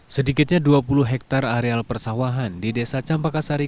sedikitnya dua puluh hektare areal persawahan di desa campakasari